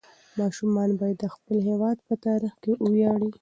ماشومان باید د خپل هېواد په تاریخ وویاړي.